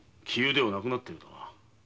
ではなくなったようだ。